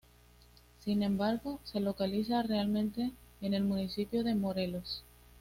Sin embargo, se localiza realmente en el municipio de Morelos.